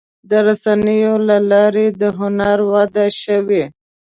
د رسنیو له لارې د هنر وده شوې.